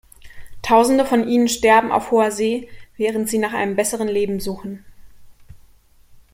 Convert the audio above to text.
Tausende von ihnen sterben auf hoher See, während sie nach einem besseren Leben suchen.